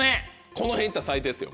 このへん行ったら最低ですよ